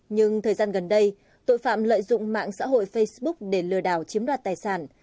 nhưng thời gian gần đây tội phạm lợi dụng mạng xã hội facebook để lừa đảo chiếm đoạt tài sản